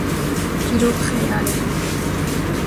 çîrok xeyal e